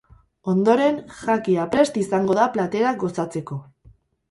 Ondoren jakia prest izango da platerak gozatzeko.